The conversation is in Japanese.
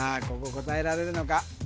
ここ答えられるのか？